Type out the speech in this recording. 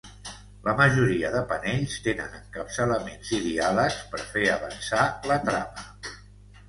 La majoria de panells tenen encapçalaments i diàlegs per fer avançar la trama.